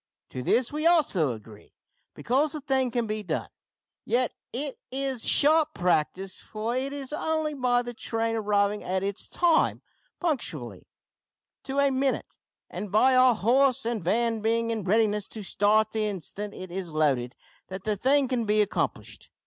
To this we also agree, because the thing can be done; yet it is sharp practice, for it is only by the train arriving at its time, punctually to a minute, and by our horse and van being in readiness to start the instant it is loaded, that the thing can be accomplished.